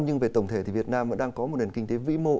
nhưng về tổng thể thì việt nam vẫn đang có một nền kinh tế vĩ mô